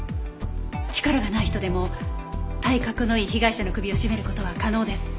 力がない人でも体格のいい被害者の首を絞める事は可能です。